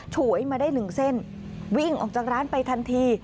ฉวยมาได้หนึ่งเส้นวิ่งออกจากร้านไปทันที